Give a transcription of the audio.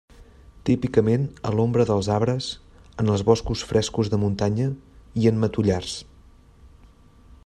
Típicament a l'ombra dels arbres en els boscos frescos de muntanya i en matollars.